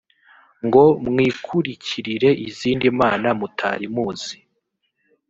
ngo mwikurikirire izindi mana mutari muzi.